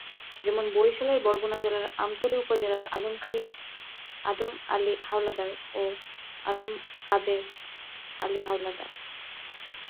যেমন বরিশালের বরগুনা জেলার আমতলী উপজেলার আদম আলী হাওলাদার ও আ:কাদের আলী হাওলাদার।